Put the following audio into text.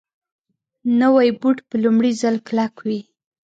نوی بوټ په لومړي ځل کلک وي